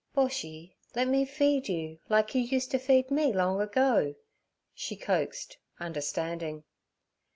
'Boshy, let me feed you, like you used to feed me long ago' she coaxed, understanding.